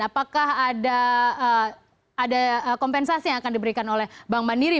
apakah ada kompensasi yang akan diberikan oleh bank mandiri